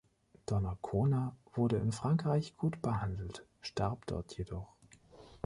Donnacona wurde in Frankreich gut behandelt, starb dort jedoch.